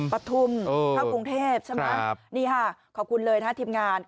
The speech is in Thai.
ปฐุมเข้ากรุงเทพใช่ไหมนี่ค่ะขอบคุณเลยนะฮะทีมงาน